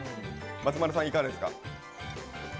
松丸さん、いかがですか？